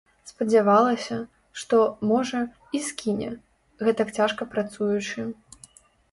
Спадзявалася, што, можа, і скіне, гэтак цяжка працуючы.